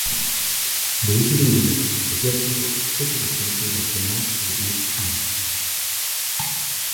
De ese Tribunal Eclesiástico fue su Presidente durante más de diez años.